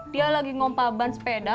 dia lagi ngompa ban sepeda